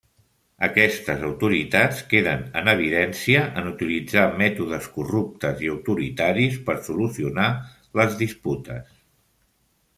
Aquestes autoritats queden en evidència en utilitzar mètodes corruptes i autoritaris per solucionar les disputes.